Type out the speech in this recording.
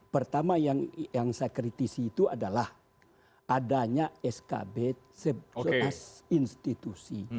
pertama yang saya kritisi itu adalah adanya skb sebuah institusi